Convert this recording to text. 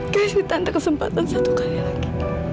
kasih tante kesempatan satu kali lagi